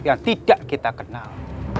yang tidak kita kenal